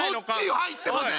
入ってません。